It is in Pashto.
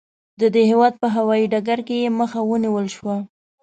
د دې هېواد په هوايي ډګر کې یې مخه ونیول شوه.